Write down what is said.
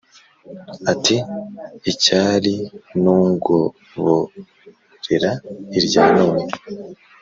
ati " icyarnungoborera irya none